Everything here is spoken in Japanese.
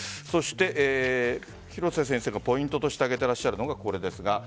そして廣瀬先生がポイントとして挙げているのがこれです。